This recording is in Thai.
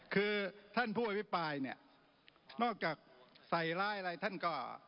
คือท่านผู้อภิปรายเนี่ยนอกจากใส่ร้ายอะไรท่านก็